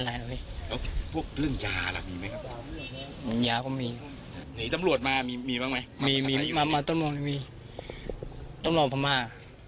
เค้ามีนี่ลหมดมามีมะไม่มีมาตอนตอนมอมดีต้อนรอพม่ามาบรรยา